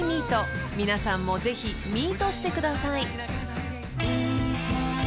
［皆さんもぜひミートしてください］